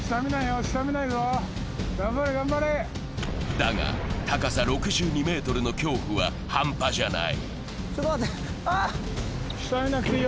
だが高さ６２ｍの恐怖は半端じゃない。